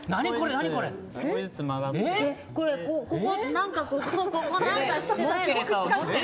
何かここ、何かしてない？